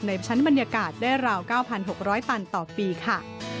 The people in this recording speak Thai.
ชั้นบรรยากาศได้ราว๙๖๐๐ตันต่อปีค่ะ